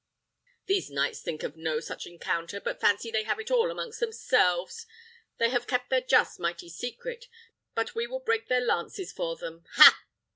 These knights think of no such encounter, but fancy they have it all amongst themselves. They have kept their just mighty secret; but we will break their lances for them ha!"